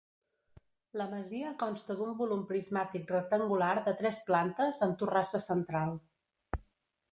La masia consta d'un volum prismàtic rectangular de tres plantes amb torrassa central.